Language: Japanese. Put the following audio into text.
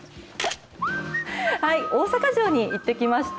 大阪城に行ってきました。